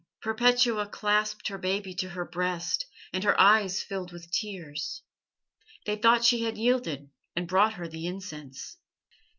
"Perpetua clasped her baby to her breast, and her eyes filled with tears. They thought she had yielded, and brought her the incense.